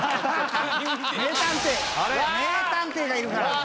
名探偵名探偵がいるから。